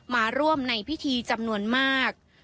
มาร่วมในพิธีจำนวนมาก